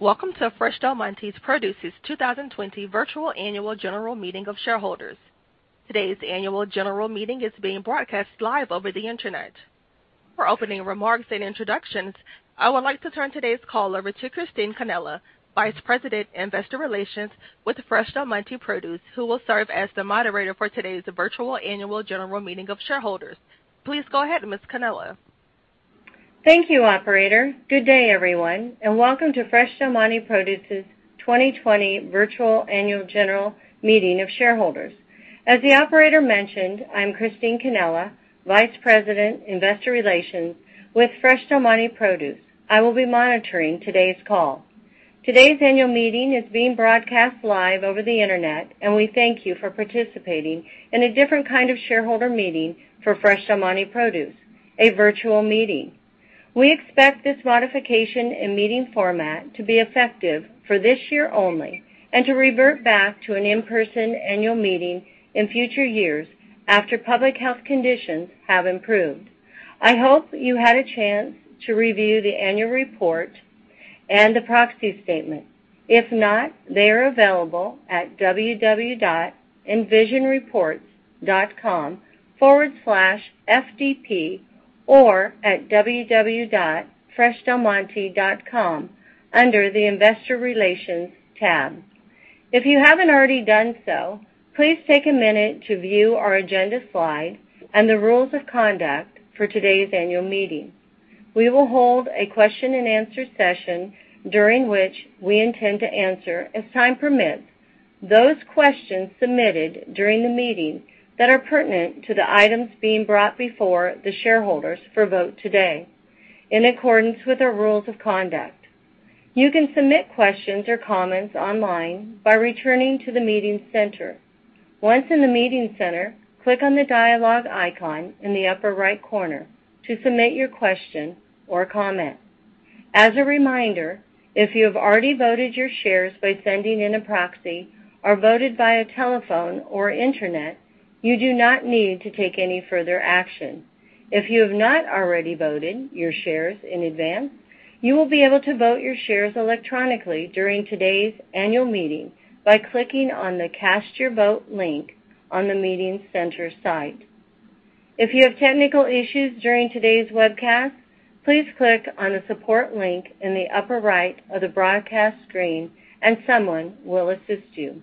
Welcome to Fresh Del Monte Produce's 2020 Virtual Annual General Meeting of Shareholders. Today's annual general meeting is being broadcast live over the internet. For opening remarks and introductions, I would like to turn today's call over to Christine Cannella, Vice President, Investor Relations with Fresh Del Monte Produce, who will serve as the moderator for today's virtual annual general meeting of shareholders. Please go ahead, Ms. Cannella. Thank you, operator. Good day, everyone. Welcome to Fresh Del Monte Produce's 2020 virtual annual general meeting of shareholders. As the operator mentioned, I'm Christine Cannella, Vice President, Investor Relations with Fresh Del Monte Produce. I will be monitoring today's call. Today's annual meeting is being broadcast live over the internet. We thank you for participating in a different kind of shareholder meeting for Fresh Del Monte Produce, a virtual meeting. We expect this modification in meeting format to be effective for this year only and to revert back to an in-person annual meeting in future years after public health conditions have improved. I hope you had a chance to review the annual report and the proxy statement. If not, they are available at www.envisionreports.com/fdp or at www.freshdelmonte.com under the Investor Relations tab. If you haven't already done so, please take a minute to view our agenda slide and the rules of conduct for today's annual meeting. We will hold a question and answer session, during which we intend to answer, as time permits, those questions submitted during the meeting that are pertinent to the items being brought before the shareholders for vote today, in accordance with our rules of conduct. You can submit questions or comments online by returning to the meeting center. Once in the meeting center, click on the dialogue icon in the upper right corner to submit your question or comment. As a reminder, if you have already voted your shares by sending in a proxy or voted via telephone or internet, you do not need to take any further action. If you have not already voted your shares in advance, you will be able to vote your shares electronically during today's annual meeting by clicking on the Cast Your Vote link on the meeting center site. If you have technical issues during today's webcast, please click on the support link in the upper right of the broadcast screen and someone will assist you.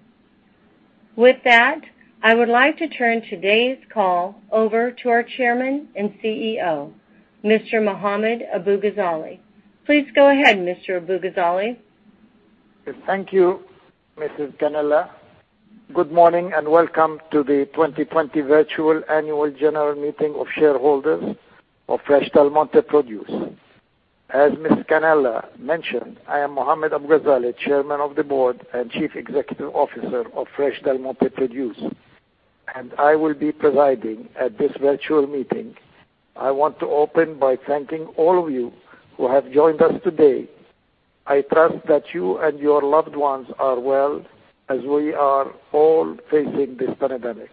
With that, I would like to turn today's call over to our Chairman and CEO, Mr. Mohammad Abu-Ghazaleh. Please go ahead, Mr. Abu-Ghazaleh. Thank you, Mrs. Cannella. Good morning and welcome to the 2020 virtual annual general meeting of shareholders of Fresh Del Monte Produce. As Ms. Cannella mentioned, I am Mohammad Abu-Ghazaleh, Chairman of the Board and Chief Executive Officer of Fresh Del Monte Produce, and I will be presiding at this virtual meeting. I want to open by thanking all of you who have joined us today. I trust that you and your loved ones are well as we are all facing this pandemic.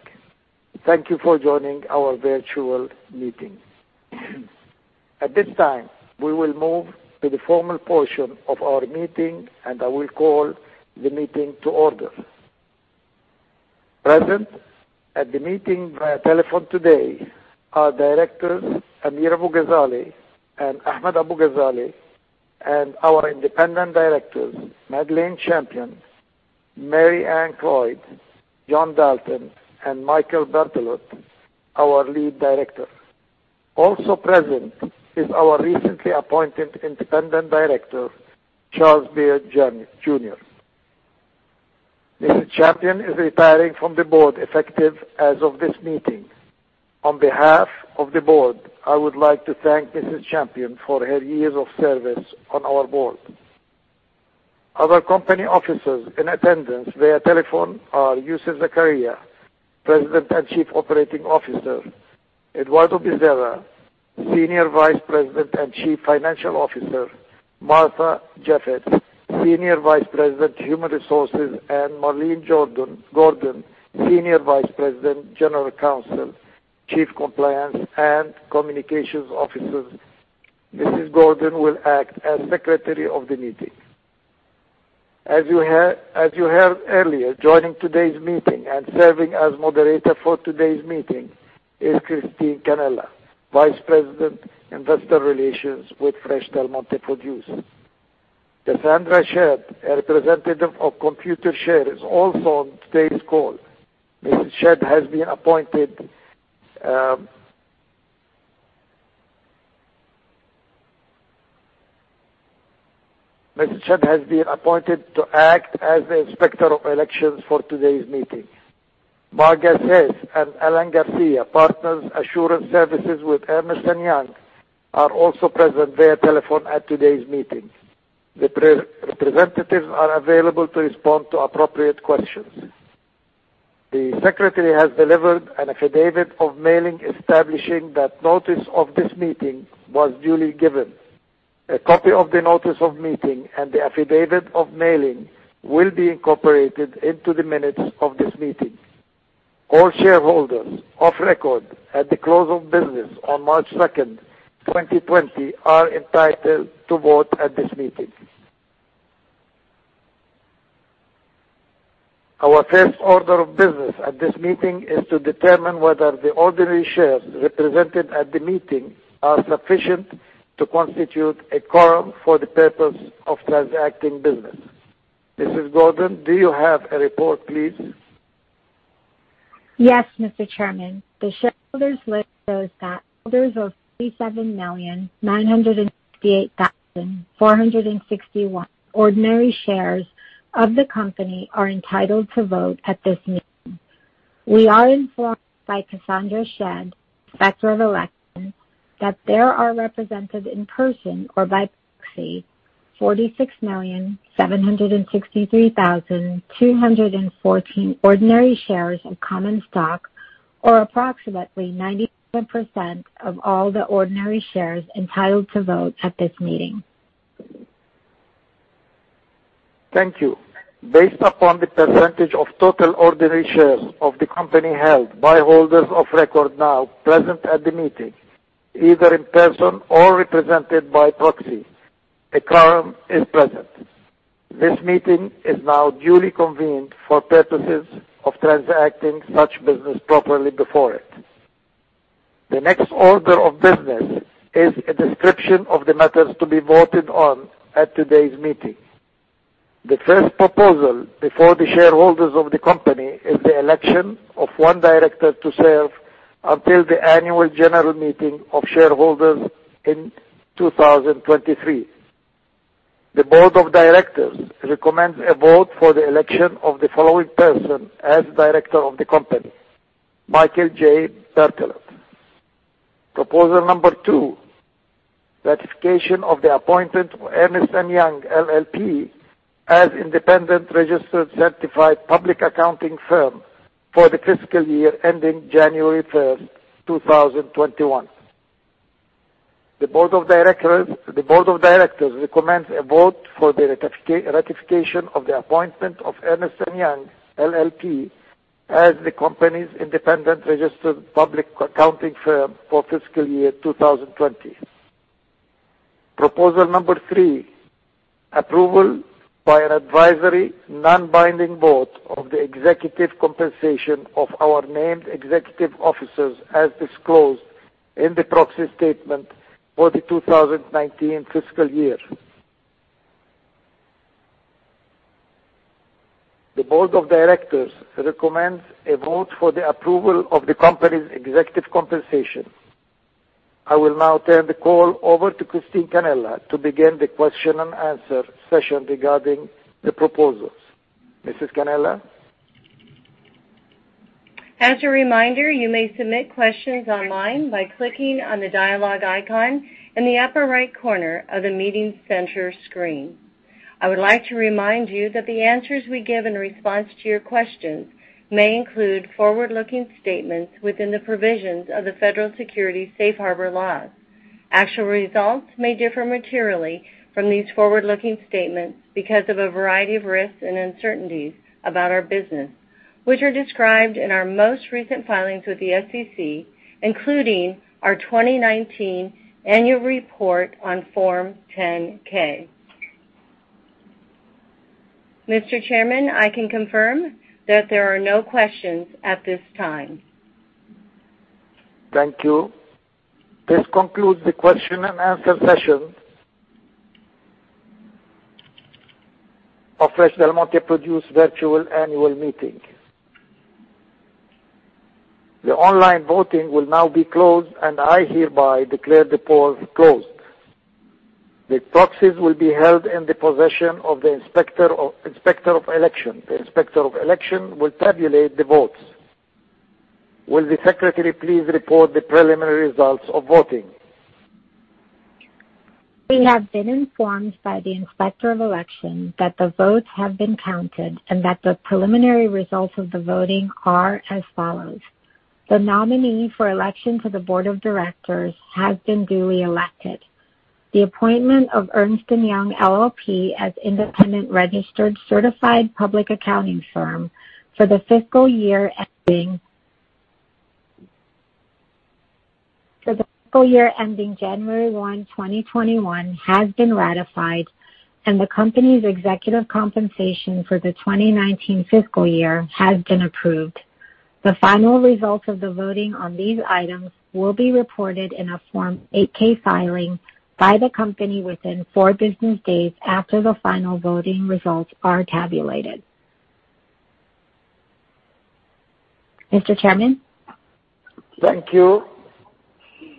Thank you for joining our virtual meeting. At this time, we will move to the formal portion of our meeting, and I will call the meeting to order. Present at the meeting via telephone today are Directors Amir Abu-Ghazaleh and Ahmad Abu-Ghazaleh, and our Independent Directors, Madeleine Champion, Mary Ann Cloyd, John Dalton, and Michael Berthelot, our Lead Director. Also present is our recently appointed Independent Director, Charles Beard, Jr. Mrs. Champion is retiring from the board effective as of this meeting. On behalf of the board, I would like to thank Mrs. Champion for her years of service on our board. Other company officers in attendance via telephone are Youssef Zakharia, President and Chief Operating Officer; Eduardo Bezerra, Senior Vice President and Chief Financial Officer; Martha Jeifetz, Senior Vice President, Human Resources; and Marlene Gordon, Senior Vice President, General Counsel, Chief Compliance, and Communications Officer. Mrs. Gordon will act as Secretary of the meeting. As you heard earlier, joining today's meeting and serving as moderator for today's meeting is Christine Cannella, Vice President, Investor Relations with Fresh Del Monte Produce. Cassandra Shedd, a Representative of Computershare, is also on today's call. Mrs. Shedd has been appointed to act as the Inspector of Elections for today's meeting. Marga Hess and Elaine Garcia, Partners, Assurance Services with Ernst & Young, are also present via telephone at today's meeting. The representatives are available to respond to appropriate questions. The secretary has delivered an affidavit of mailing establishing that notice of this meeting was duly given. A copy of the notice of meeting and the affidavit of mailing will be incorporated into the minutes of this meeting. All shareholders of record at the close of business on March 2nd, 2020 are entitled to vote at this meeting. Our first order of business at this meeting is to determine whether the ordinary shares represented at the meeting are sufficient to constitute a quorum for the purpose of transacting business. Mrs. Gordon, do you have a report, please? Yes, Mr. Chairman. The shareholders list shows that shareholders of 37,968,461 ordinary shares of the company are entitled to vote at this meeting. We are informed by Cassandra Shedd, Inspector of Elections, that there are represented in person or by proxy 46,763,214 ordinary shares of common stock, or approximately 97% of all the ordinary shares entitled to vote at this meeting. Thank you. Based upon the percentage of total ordinary shares of the company held by holders of record now present at the meeting, either in person or represented by proxy, a quorum is present. This meeting is now duly convened for purposes of transacting such business properly before it. The next order of business is a description of the matters to be voted on at today's meeting. The first proposal before the shareholders of the company is the election of one director to serve until the annual general meeting of shareholders in 2023. The board of directors recommends a vote for the election of the following person as Director of the Company, Michael J. Berthelot. Proposal number two, ratification of the appointment of Ernst & Young LLP as independent registered certified public accounting firm for the fiscal year ending January 1st, 2021. The board of directors recommends a vote for the ratification of the appointment of Ernst & Young LLP as the company's independent registered public accounting firm for fiscal year 2020. Proposal number three, approval by an advisory, non-binding vote of the executive compensation of our named executive officers as disclosed in the proxy statement for the 2019 fiscal year. The board of directors recommends a vote for the approval of the company's executive compensation. I will now turn the call over to Christine Cannella to begin the question and answer session regarding the proposals. Mrs. Cannella. As a reminder, you may submit questions online by clicking on the dialogue icon in the upper right corner of the meeting center screen. I would like to remind you that the answers we give in response to your questions may include forward-looking statements within the provisions of the Federal Securities Safe Harbor Laws. Actual results may differ materially from these forward-looking statements because of a variety of risks and uncertainties about our business, which are described in our most recent filings with the SEC, including our 2019 annual report on Form 10-K. Mr. Chairman, I can confirm that there are no questions at this time. Thank you. This concludes the question and answer session of Fresh Del Monte Produce Virtual Annual Meeting. The online voting will now be closed, and I hereby declare the polls closed. The proxies will be held in the possession of the Inspector of Election. The Inspector of Election will tabulate the votes. Will the secretary please report the preliminary results of voting? We have been informed by the Inspector of Election that the votes have been counted and that the preliminary results of the voting are as follows. The nominee for election to the board of directors has been duly elected. The appointment of Ernst & Young LLP as independent registered certified public accounting firm for the fiscal year ending January 1, 2021 has been ratified, and the company's executive compensation for the 2019 fiscal year has been approved. The final results of the voting on these items will be reported in a Form 8-K filing by the company within four business days after the final voting results are tabulated. Mr. Chairman? Thank you.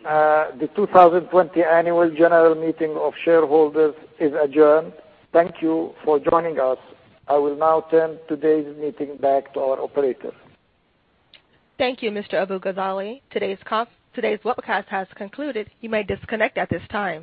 The 2020 Annual General Meeting of Shareholders is adjourned. Thank you for joining us. I will now turn today's meeting back to our operator. Thank you, Mr. Abu-Ghazaleh. Today's webcast has concluded. You may disconnect at this time.